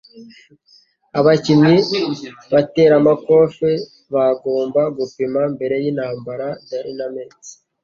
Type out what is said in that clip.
Abakinnyi bateramakofe bagomba gupima mbere yintambara (darinmex)